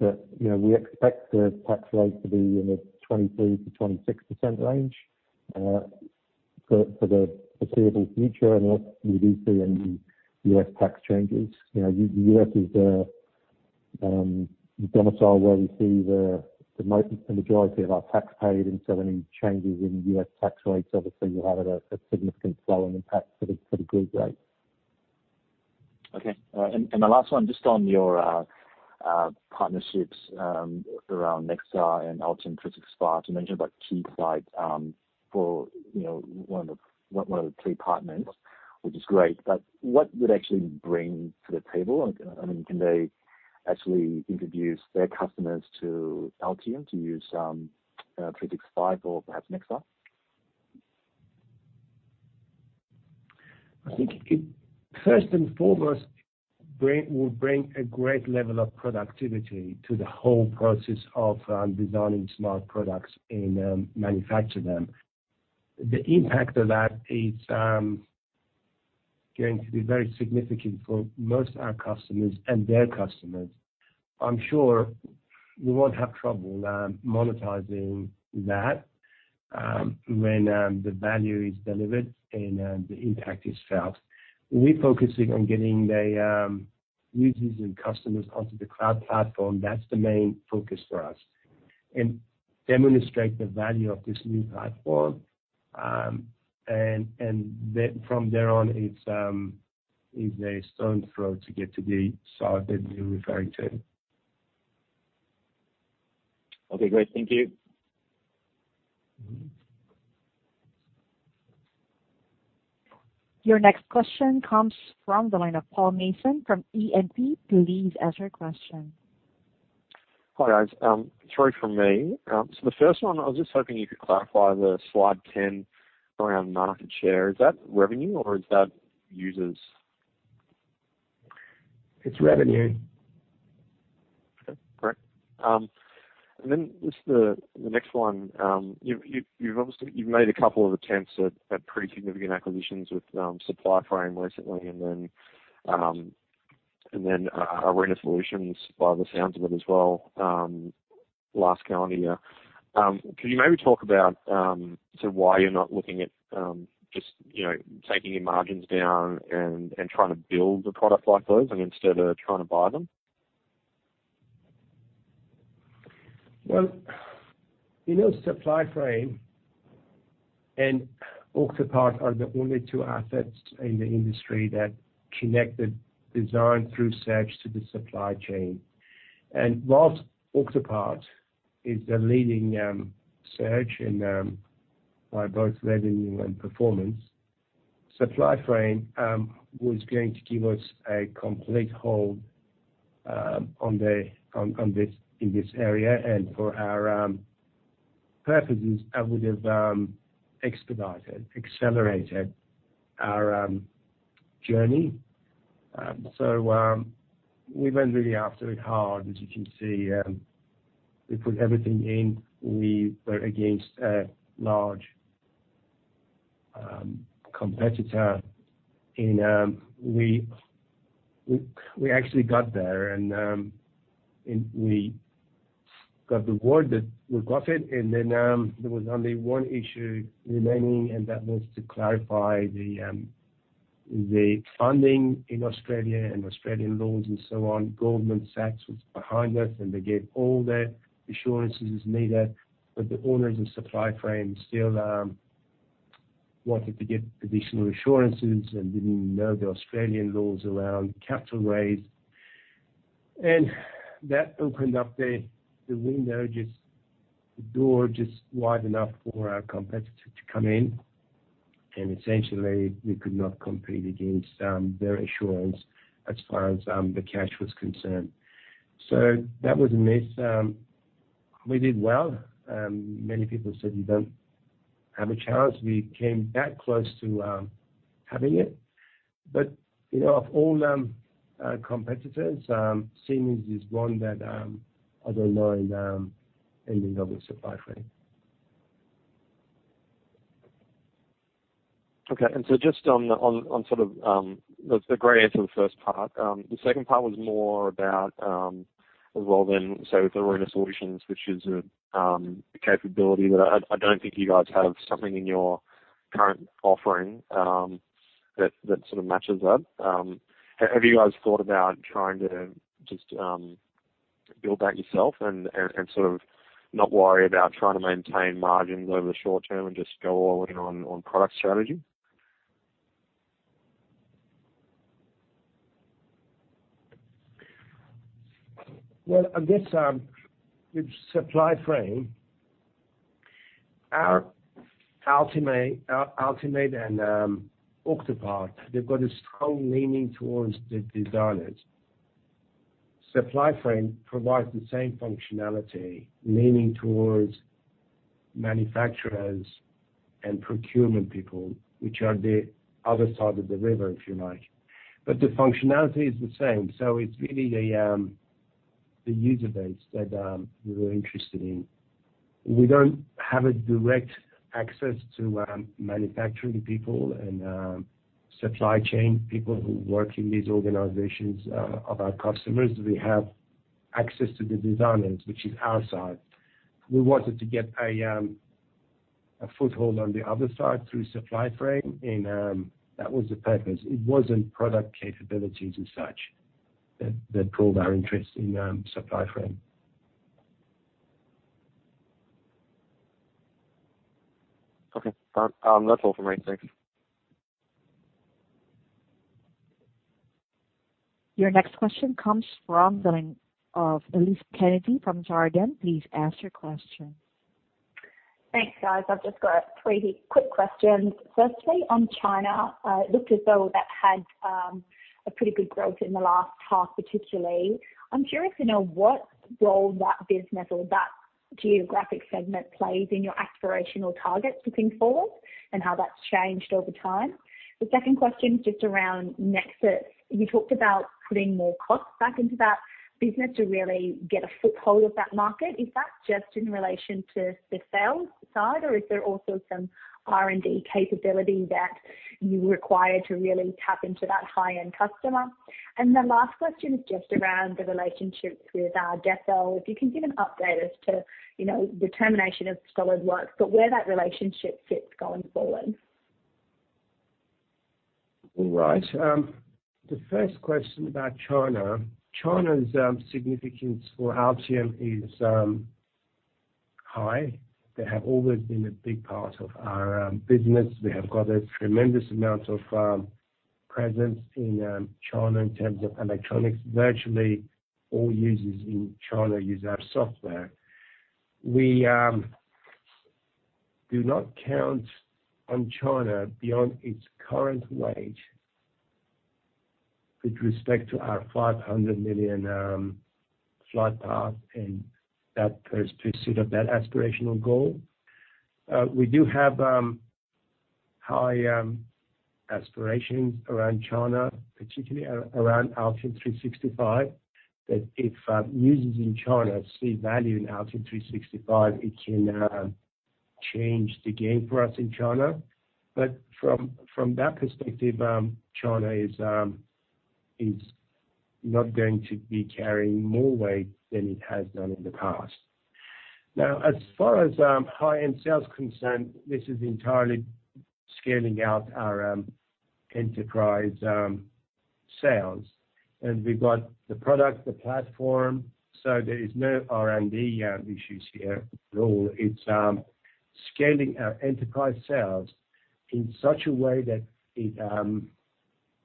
We expect the tax rate to be in the 23%-26% range for the foreseeable future, unless we do see any U.S. tax changes. The U.S. is the domicile where we see the majority of our tax paid, and so any changes in U.S. tax rates, obviously, will have a significant flow-on impact for the group rate. Okay. My last one, just on your partnerships around Nexar and Altium 365. You mentioned about key clients for one of the key partners, which is great. What would actually bring to the table? Can they actually introduce their customers to Altium to use 365 or perhaps Nexar? I think it, first and foremost, will bring a great level of productivity to the whole process of designing smart products and manufacture them. The impact of that is going to be very significant for most our customers and their customers. I'm sure we won't have trouble monetizing that when the value is delivered, and the impact is felt. We're focusing on getting the users and customers onto the cloud platform. That's the main focus for us, and demonstrate the value of this new platform. From there on, it's a stone's throw to get to the software that you're referring to. Okay, great. Thank you. Your next question comes from the line of Paul Mason from E&P. Please ask your question. Hi, guys. Three from me. The first one, I was just hoping you could clarify the Slide 10 around market share. Is that revenue or is that users? It's revenue. Okay, great. Just the next one. You've made a couple of attempts at pretty significant acquisitions with Supplyframe recently, and then Arena Solutions by the sounds of it as well last calendar year. Can you maybe talk about why you're not looking at just taking your margins down and trying to build a product like those instead of trying to buy them? Well, you know Supplyframe and Octopart are the only two assets in the industry that connect the design through search to the supply chain. Whilst Octopart is the leading search by both revenue and performance, Supplyframe was going to give us a complete hold in this area and for our purposes, it would've expedited, accelerated our journey. We went really after it hard. You can see, we put everything in. We were against a large competitor and we actually got there, and we got the word that we've got it, and then there was only one issue remaining, and that was to clarify the funding in Australia and Australian laws and so on. Goldman Sachs was behind us, and they gave all the assurances needed. The owners of Supplyframe still wanted to get additional assurances and didn't know the Australian laws around capital raise. That opened up the window, just the door just wide enough for our competitor to come in. Essentially, we could not compete against their assurance as far as the cash was concerned. That was a miss. We did well. Many people said, "You don't have a chance." We came that close to having it. Of all competitors, Siemens is one that I don't know ending up with Supplyframe. Okay. That's a great answer on the first part. The second part was more about, as well then, so with Arena Solutions, which is a capability that I don't think you guys have something in your current offering that sort of matches that. Have you guys thought about trying to just build that yourself, and sort of not worry about trying to maintain margins over the short term and just go all in on product strategy? Well, this Supplyframe, Altium and Octopart, they've got a strong leaning towards the designers. Supplyframe provides the same functionality, leaning towards manufacturers and procurement people, which are the other side of the river, if you like. The functionality is the same, so it's really the user base that we were interested in. We don't have a direct access to manufacturing people and supply chain people who work in these organizations of our customers. We have access to the designers, which is our side. We wanted to get a foothold on the other side through Supplyframe, and that was the purpose. It wasn't product capabilities and such that pulled our interest in Supplyframe. Okay. That's all from me. Thanks. Your next question comes from the line of Elise Kennedy from Jarden. Please ask your question. Thanks, guys. I've just got three quick questions. Firstly, on China, it looked as though that had a pretty good growth in the last half, particularly. I'm curious to know what role that business or that geographic segment plays in your aspirational targets looking forward and how that's changed over time. The second question is just around NEXUS. You talked about putting more costs back into that business to really get a foothold of that market. Is that just in relation to the sales side, or is there also some R&D capability that you require to really tap into that high-end customer? The last question is just around the relationships with Dassault. If you can give an update as to termination of SOLIDWORKS, but where that relationship sits going forward. All right. The first question about China. China's significance for Altium is high. They have always been a big part of our business. We have got a tremendous amount of presence in China in terms of electronics. Virtually all users in China use our software. We do not count on China beyond its current weight with respect to our $500 million flight path and that pursuit of that aspirational goal. We do have high aspirations around China, particularly around Altium 365, that if users in China see value in Altium 365, it can change the game for us in China. From that perspective, China is not going to be carrying more weight than it has done in the past. As far as high-end sales concerned, this is entirely scaling out our enterprise sales. We've got the product, the platform, there is no R&D issues here at all. It's scaling our enterprise sales in such a way that it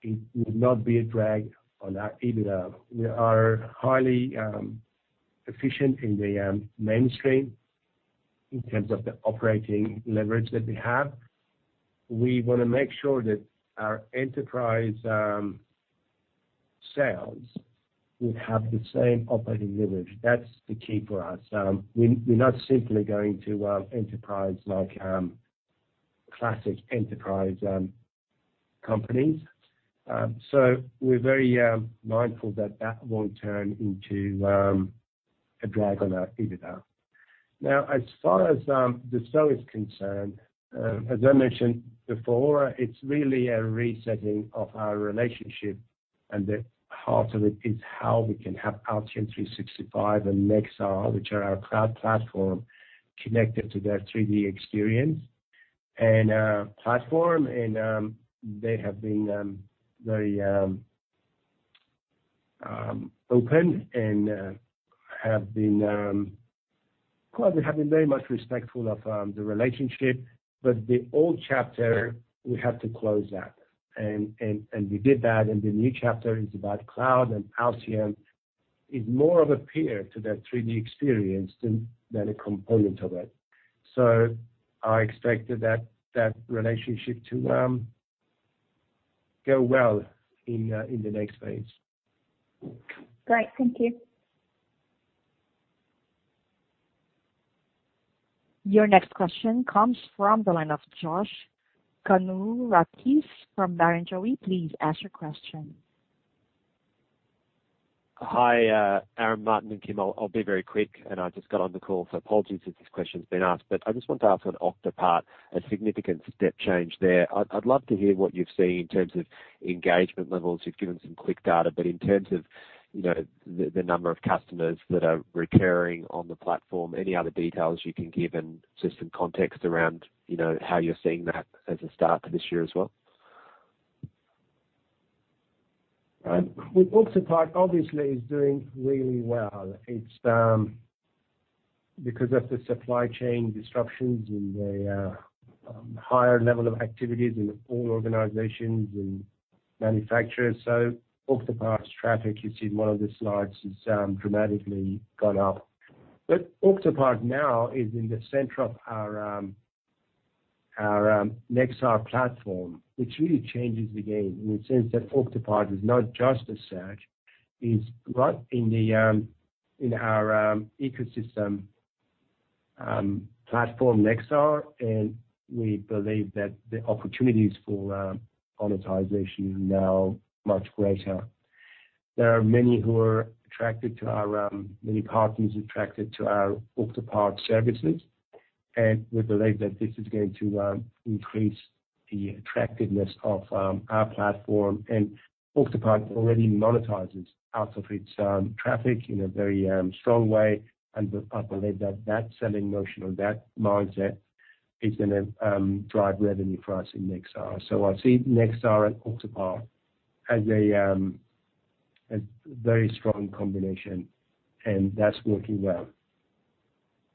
will not be a drag on our EBITDA. We are highly efficient in the mainstream in terms of the operating leverage that we have. We want to make sure that our enterprise sales will have the same operating leverage. That's the key for us. We're not simply going to enterprise like classic enterprise companies. We're very mindful that that won't turn into a drag on our EBITDA. Now, as far as Dassault is concerned, as I mentioned before, it's really a resetting of our relationship, and the heart of it is how we can have Altium 365 and Nexus, which are our cloud platform, connected to their 3DEXPERIENCE and platform. They have been very open and have been very much respectful of the relationship. The old chapter, we have to close that. We did that, and the new chapter is about cloud and Altium is more of a peer to that 3DEXPERIENCE than a component of it. I expected that relationship to go well in the next phase. Great. Thank you. Your next question comes from the line of Josh Kannourakis from Barrenjoey. Please ask your question. Hi, Aram, Martin, and Kim. I'll be very quick, and I just got on the call, so apologies if this question's been asked, but I just want to ask on Octopart, a significant step change there. I'd love to hear what you've seen in terms of engagement levels. You've given some quick data, but in terms of the number of customers that are recurring on the platform, any other details you can give and just some context around how you're seeing that as a start to this year as well. With Octopart, obviously, is doing really well. Because of the supply chain disruptions and the higher level of activities in all organizations and manufacturers. Octopart's traffic, you see in one of the slides, has dramatically gone up. Octopart now is in the center of our Nexar platform, which really changes the game in the sense that Octopart is not just a search, it's right in our ecosystem platform, Nexar, and we believe that the opportunities for monetization are now much greater. There are many partners attracted to our Octopart services, and we believe that this is going to increase the attractiveness of our platform. Octopart already monetizes out of its traffic in a very strong way, and I believe that selling motion or that mindset is going to drive revenue for us in Nexar. I see Nexar and Octopart as a very strong combination, and that's working well.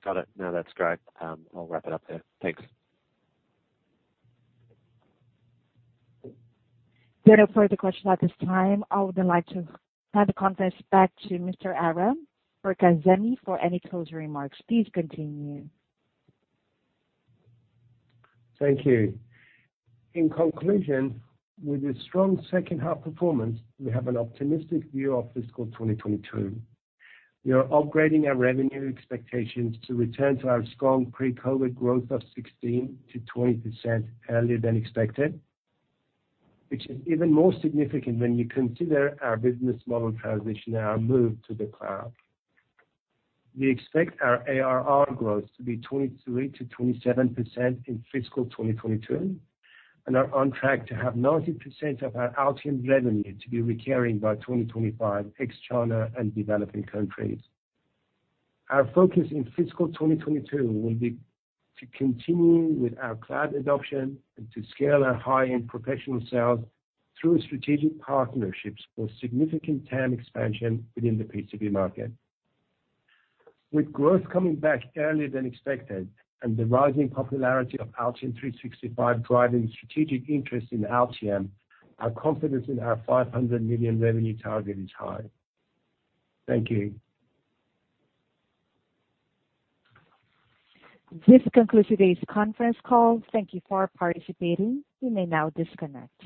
Got it. No, that's great. I'll wrap it up there. Thanks. There are no further questions at this time. I would then like to hand the conference back to Mr. Aram Mirkazemi for any closing remarks. Please continue. Thank you. In conclusion, with a strong second half performance, we have an optimistic view of fiscal 2022. We are upgrading our revenue expectations to return to our strong pre-COVID growth of 16%-20% earlier than expected, which is even more significant when you consider our business model transition and our move to the cloud. We expect our ARR growth to be 23%-27% in fiscal 2022, and are on track to have 90% of our Altium revenue to be recurring by 2025, ex China and developing countries. Our focus in fiscal 2022 will be to continue with our cloud adoption and to scale our high-end professional sales through strategic partnerships for significant TAM expansion within the PCB market. With growth coming back earlier than expected and the rising popularity of Altium 365 driving strategic interest in Altium, our confidence in our $500 million revenue target is high. Thank you. This concludes today's conference call. Thank you for participating. You may now disconnect.